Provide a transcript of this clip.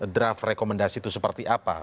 draft rekomendasi itu seperti apa